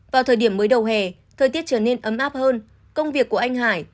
vào thời điểm mới đầu hè thời tiết trở nên ấm áp hơn công việc của anh hải